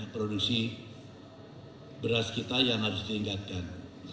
produksi beras kita yang harus diingatkan